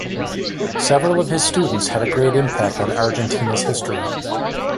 Several of his students had a great impact on Argentina's history.